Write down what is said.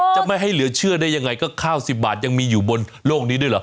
จะไม่ให้เหลือเชื่อได้ยังไงก็ข้าว๑๐บาทยังมีอยู่บนโลกนี้ด้วยเหรอ